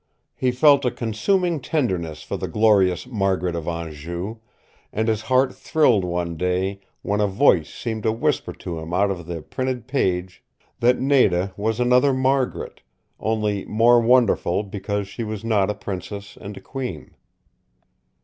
He felt a consuming tenderness for the glorious Margaret of Anjou, and his heart thrilled one day when a voice seemed to whisper to him out of the printed page that Nada was another Margaret only more wonderful because she was not a princess and a queen.